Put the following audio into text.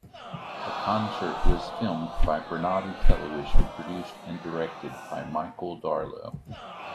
The concert was filmed by Granada Television, produced and directed by Michael Darlow.